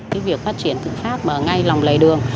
cái việc phát triển thực pháp ngay lòng lề đường